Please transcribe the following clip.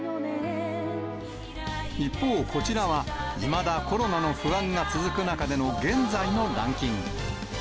一方、こちらはいまだコロナの不安が続く中での現在のランキング。